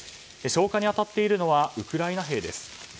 消火に当たっているのはウクライナ兵です。